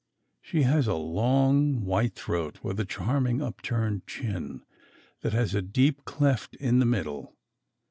She has a long white throat with a charming upturned chin that has a deep cleft in the middle.